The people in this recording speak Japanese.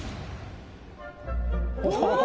お！